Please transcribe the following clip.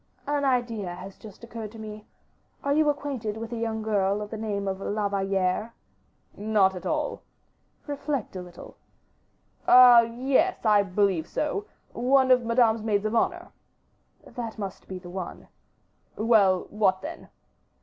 "An idea has just occurred to me. Are you acquainted with a young girl of the name of La Valliere? "Not at all." "Reflect a little." "Ah! yes, I believe so; one of Madame's maids of honor." "That must be the one." "Well, what then?"